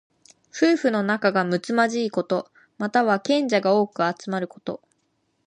夫婦の仲がむつまじいこと。または、賢者が多く集まること。